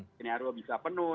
skenario bisa penuh